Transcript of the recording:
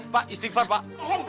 pak istighfar pak